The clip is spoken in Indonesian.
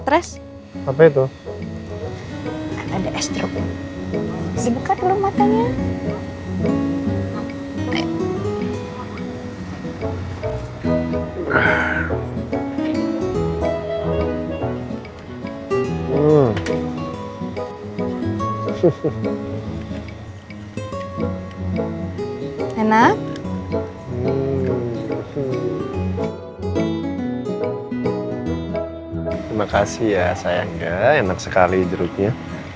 terima kasih ya sayang gak enak sekali cd nya